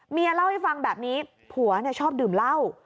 เมียเล่าให้ฟังแบบนี้ผัวชอบดื่มเหล้า